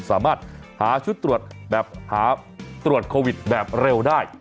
สามารถหาชุดตรวจแบบหาตรวจโควิดแบบเร็วได้